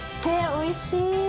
おいしい！